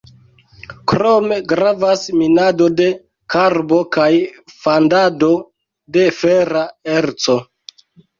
Krome gravas minado de karbo kaj fandado de fera erco.